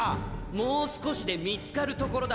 もう少しで見つかるところだった！